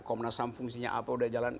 komnasam fungsinya apa udah jalan